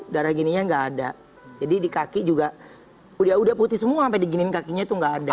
darah gininya gak ada jadi di kaki juga udah putih semua sampe diginiin kakinya itu gak ada